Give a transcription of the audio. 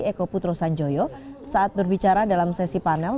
eko putro sanjoyo saat berbicara dalam sesi panel